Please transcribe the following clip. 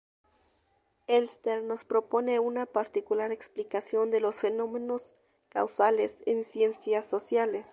Elster nos propone una particular explicación de los fenómenos causales en ciencias sociales.